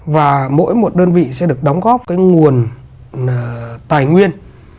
và mỗi một đơn vị sẽ được đóng góp cái nguồn tài nguyên